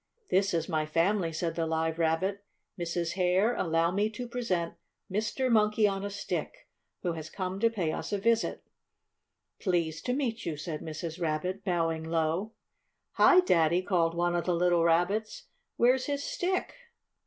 "This is my family," said the Live Rabbit. "Mrs. Hare, allow me to present Mr. Monkey on a Stick, who has come to pay us a visit." "Pleased to meet you," said Mrs. Rabbit, bowing low. "Hi, Daddy!" called one of the little Rabbits, "where's his stick?"